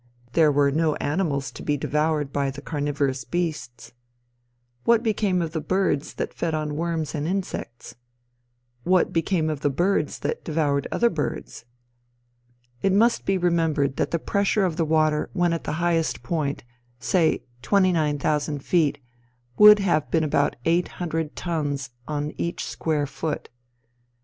There were no animals to be devoured by the carnivorous beasts. What became of the birds that fed on worms and insects? What became of the birds that devoured other birds? It must be remembered that the pressure of the water when at the highest point say twenty nine thousand feet, would have been about eight hundred tons on each square foot.